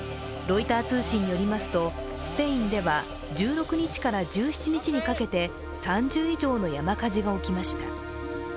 ロイター通信によりますと、スペインでは１６日から１７日にかけて３０以上の山火事が起きました。